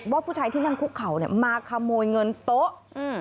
ว่าผู้ชายที่นั่งคุกเข่ามาขโมยเงินโต๊ะ